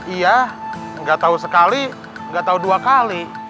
iya gak tau sekali gak tau dua kali